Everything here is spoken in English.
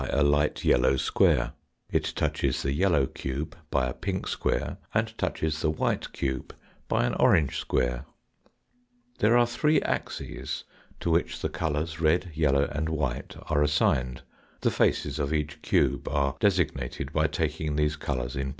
NOMENCLATURE AND ANALOGIES 143 a light yellow square; it touches the yellow cube by a pink square, and touches the white cube by an orange square. There are three axes to which the colours red, yellow, and white, are assigned, the faces of each cube are designated Taking all the colours Fig.